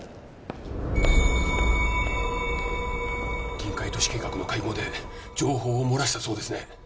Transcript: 臨海都市計画の会合で情報を漏らしたそうですね